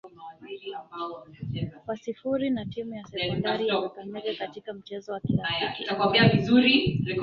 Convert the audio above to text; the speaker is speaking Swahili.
kwa sifuri na timu ya sekondari ya kakamega katika mchezo wa kirafiki ambao